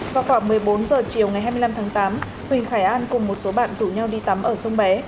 vào khoảng một mươi bốn h chiều ngày hai mươi năm tháng tám huỳnh khải an cùng một số bạn rủ nhau đi tắm ở sông bé